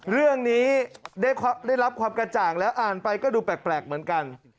เรื่องนี้ได้รับความกระจ่างแล้วอ่านไปก็ดูแปลกเหมือนกัน